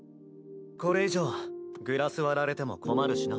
これ以上グラス割られても困るしな。